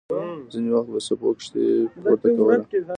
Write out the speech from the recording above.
ځینې وخت به څپو کښتۍ پورته کوله.